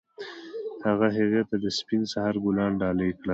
هغه هغې ته د سپین سهار ګلان ډالۍ هم کړل.